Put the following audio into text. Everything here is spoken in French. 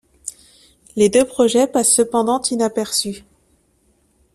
Les deux projets passent cependant inaperçus.